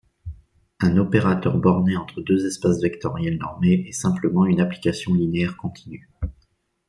Un opérateur borné entre deux espaces vectoriels normés est simplement une application linéaire continue.